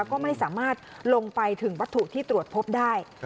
ก็ไม่สามารถลงไปถึงวัตถุที่ตรวจพบได้